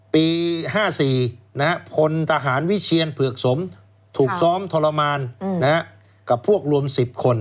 ปี๕๔พลทหารวิเชียนเผือกสมถูกซ้อมทรมานกับพวกรวม๑๐คน